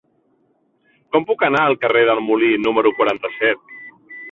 Com puc anar al carrer del Molí número quaranta-set?